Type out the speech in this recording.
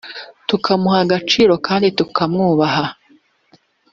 tukamuha agaciro kandi tukamwubaha